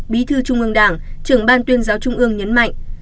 bí thư trung ương đảng trưởng ban tuyên giáo trung ương nhấn mạnh